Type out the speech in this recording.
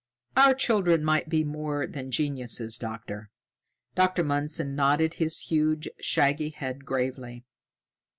"Our children might be more than geniuses, Doctor!" Dr. Mundson nodded his huge, shaggy head gravely.